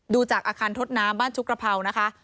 ดูจากอาคารทดน้ำบ้านชุกกระเภานะคะ